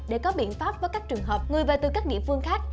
để có biện pháp với các trường hợp người về từ các địa phương khác